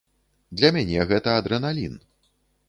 Для мяне гэта адрэналін.